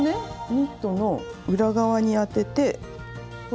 ニットの裏側にあててほら！